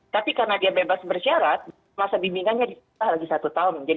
tapi karena dia bebas bersyarat masa bimbingannya ditambah lagi satu tahun jadi dua ribu dua puluh